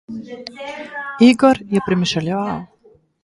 Igor je premišljeval.